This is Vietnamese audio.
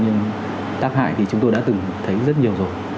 nhưng tác hại thì chúng tôi đã từng thấy rất nhiều rồi